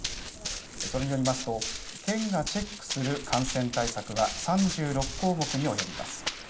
それによりますと県がチェックする感染対策は３６項目に及びます。